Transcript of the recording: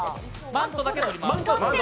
マントだけを取ります。